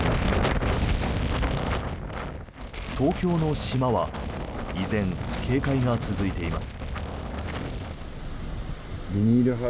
東京の島は依然、警戒が続いています。